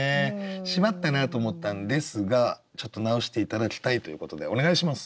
しまったなと思ったんですがちょっと直して頂きたいということでお願いします。